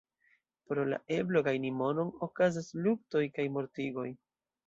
Pro la eblo gajni monon okazas luktoj kaj mortigoj.